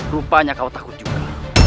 rupanya kau takut juga